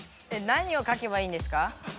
えっ何を書けばいいんですか？